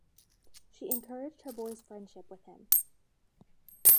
She encouraged her boys' friendship with him.